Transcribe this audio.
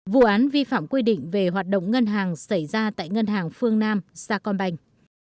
vụ án vi phạm quy định về hoạt động ngân hàng xảy ra tại ngân hàng phương nam sa con bành